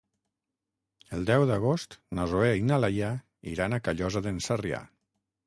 El deu d'agost na Zoè i na Laia iran a Callosa d'en Sarrià.